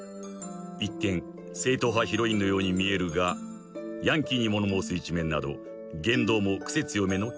［一見正統派ヒロインのように見えるがヤンキーに物申す一面など言動も癖強めのキャラクター］